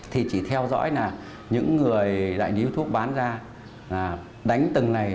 thì chỉ theo dõi những người đại niếu thuốc bán ra đánh tầng này